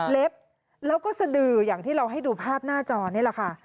แล้วก็สดืออย่างที่เราให้ดูภาพหน้าจอนี่แหละค่ะ